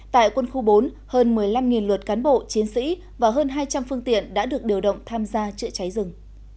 tại quân khu bốn hơn một mươi năm luật cán bộ chiến sĩ và hơn hai trăm linh phương tiện đã được điều động tham gia chữa cháy rừng